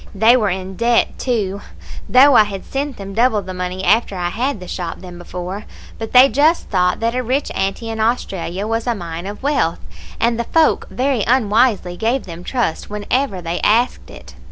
They were in debt, too, though I had sent them double the money after I had the shop than before; but they just thought that a rich auntie in Australia was a mine of wealth, and the folk very unwisely gave them trust whenever they asked it.